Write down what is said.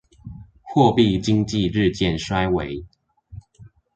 貨幣經濟日漸衰微